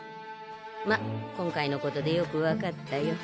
まっ今回のことでよく分かったよ。